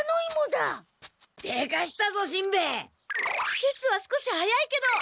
きせつは少し早いけど！